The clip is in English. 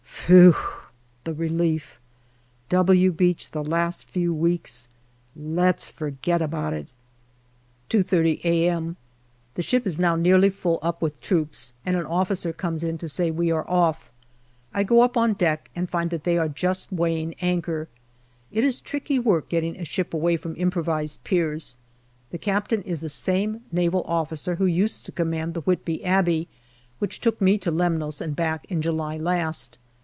Phew ! the relief. " W " Beach the last few weeks I ... Let's forget about it ! 2.30 a.m. The ship is now nearly full up with troops, and an officer comes in to say we are off. I go up on deck and find that they are just weighing anchor. It is tricky work getting a ship away from improvised piers. The captain is the same Naval officer who used to command the Whitby Abbey, which took me to Lemnos and back in July last.